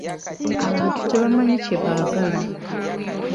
Abantu tebamanyi kye baagala.